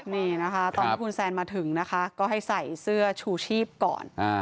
นี่นะคะตอนที่คุณแซนมาถึงนะคะก็ให้ใส่เสื้อชูชีพก่อน